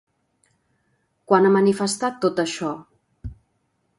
Quan ha manifestat tot això?